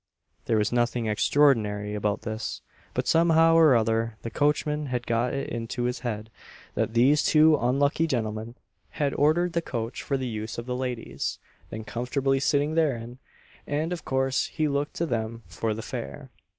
There was nothing extraordinary in this; but somehow or other the coachman had got it into his head that these two unlucky gentlemen had ordered the coach for the use of the ladies, then comfortably sitting therein, and of course he looked to them for the fare.